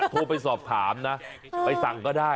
โทรไปสอบถามนะไปสั่งก็ได้